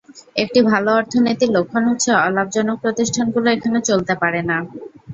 একটি ভালো অর্থনীতির লক্ষণ হচ্ছে, অলাভজনক প্রতিষ্ঠানগুলো এখানে চলতে পারে না।